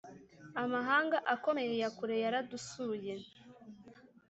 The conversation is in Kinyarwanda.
amahanga akomeye ya kure yara dusuye